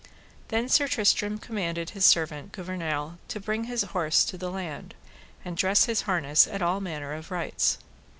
Then Sir Tristram commanded his servant Gouvernail to bring his horse to the land, and dress his harness at all manner of rights.